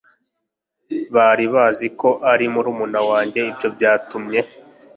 bari bazi ko ari murumuna wanjye ibyo byatumye